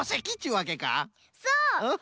そう！